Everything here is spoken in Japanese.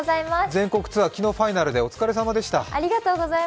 全国ツアー、昨日ファイナルでお疲れさまでした。